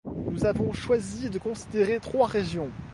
Nous avons choisi de considérer trois régions